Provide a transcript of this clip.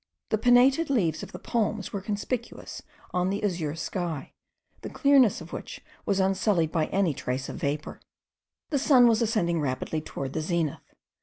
The pinnated leaves of the palms were conspicuous on the azure sky, the clearness of which was unsullied by any trace of vapour. The sun was ascending rapidly toward the zenith.